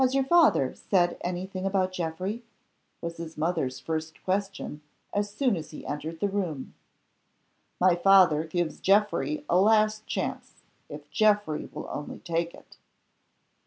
"Has your father said any thing about Geoffrey?" was his mother's first question as soon as he entered the room. "My father gives Geoffrey a last chance, if Geoffrey will only take it."